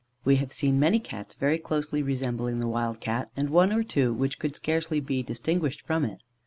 We have seen many Cats very closely resembling the wild Cat, and one or two which could scarcely be distinguished from it.